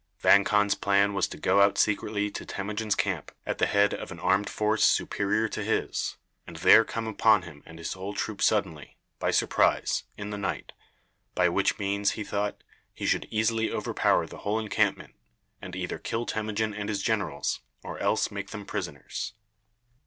Vang Khan's plan was to go out secretly to Temujin's camp at the head of an armed force superior to his, and there come upon him and his whole troop suddenly, by surprise, in the night, by which means, he thought, he should easily overpower the whole encampment, and either kill Temujin and his generals, or else make them prisoners.